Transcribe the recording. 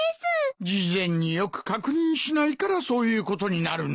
事前によく確認しないからそういうことになるんだ。